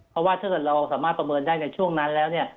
เพราะว่าถ้าเกิดเราสามารถประเมินได้ในช่วงนั้นแล้วเนี่ย